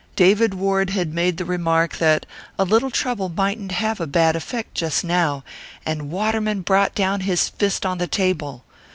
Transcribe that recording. David Ward had made the remark that 'A little trouble mightn't have a bad effect just now.' And Waterman brought down his fist on the table.